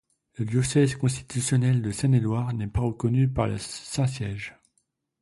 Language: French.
Le diocèse constitutionnel de Saône-et-Loire n'est pas reconnu par le Saint-Siège.